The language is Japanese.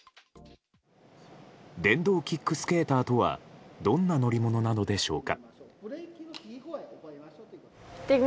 電動キックスケーターとはどんな乗り物なのでしょうか。